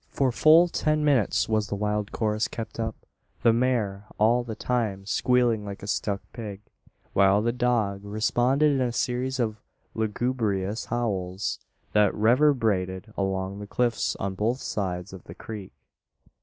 For full ten minutes was the wild chorus kept up, the mare all the time squealing like a stuck pig; while the dog responded in a series of lugubrious howls, that reverberated along the cliffs on both sides of the creek.